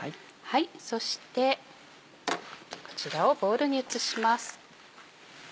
そしてこちらをボウルに移します。